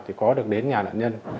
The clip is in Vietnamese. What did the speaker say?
thì có được đến nhà nạn nhân